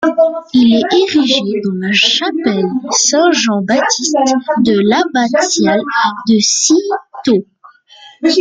Il est érigé dans la chapelle Saint-Jean-Baptiste de l'abbatiale de Cîteaux.